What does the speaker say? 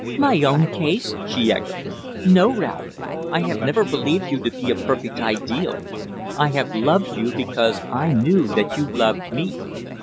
"My own case!" she echoed. "No, Ralph. I have never believed you to be a perfect ideal. I have loved you because I knew that you loved me.